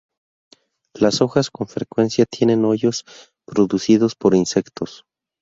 Las hojas con frecuencia tienen hoyos producidos por insectos.